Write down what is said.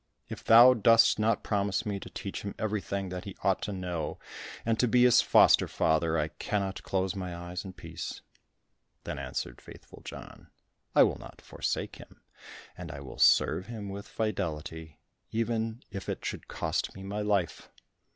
If thou dost not promise me to teach him everything that he ought to know, and to be his foster father, I cannot close my eyes in peace." Then answered Faithful John, "I will not forsake him, and will serve him with fidelity, even if it should cost me my life."